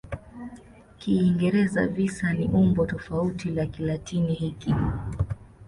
Kiingereza "visa" ni umbo tofauti la Kilatini hiki.